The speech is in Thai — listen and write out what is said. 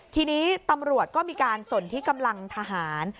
ทีนี้ตำรวจก็มีการสนที่กำลังทหาร